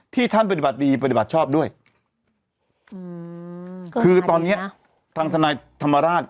ท่านปฏิบัติดีปฏิบัติชอบด้วยอืมคือตอนเนี้ยทางทนายธรรมราช